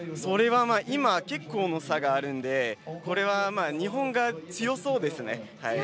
今、結構の差があるんでこれは、日本が強そうですね。